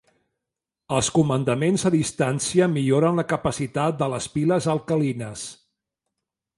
Els comandaments a distància milloren la capacitat de les piles alcalines.